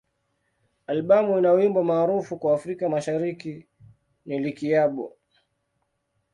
Albamu ina wimbo maarufu kwa Afrika Mashariki ni "Likayabo.